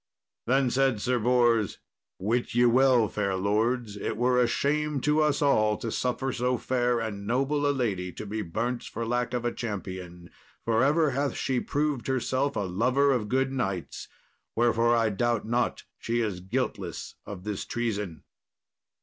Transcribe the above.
Then said Sir Bors, "Wit ye well, fair lords, it were a shame to us all to suffer so fair and noble a lady to be burnt for lack of a champion, for ever hath she proved herself a lover of good knights; wherefore I doubt not she is guiltless of this treason."